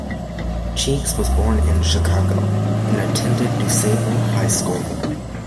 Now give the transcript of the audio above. Cheeks was born in Chicago, and attended DuSable High School.